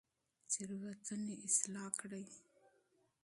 تېروتنې اصلاح کړئ.